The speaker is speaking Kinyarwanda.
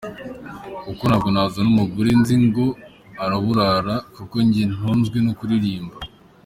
Kuko ntabwo nazana umugore nzi ngo araburara kuko njye ntunzwe no kuririmba.